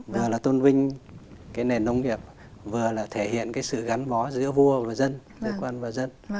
vừa là tôn vinh cái nền nông nghiệp vừa là thể hiện cái sự gắn bó giữa vua và dân với quân và dân